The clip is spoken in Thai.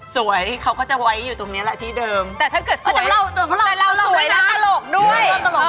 สวยเขาก็จะไว้อยู่ตรงนี้แหละที่เดิมแต่ถ้าเกิดสวยแล้วตลกด้วย